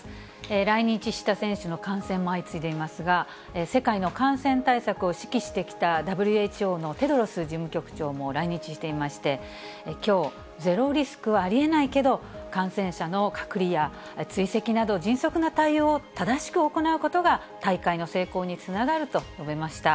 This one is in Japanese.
来日した選手の感染も相次いでいますが、世界の感染対策を指揮してきたＷＨＯのテドロス事務局長も来日していまして、きょう、ゼロリスクはありえないけど、感染者の隔離や追跡など、迅速な対応を正しく行うことが、大会の成功につながると述べました。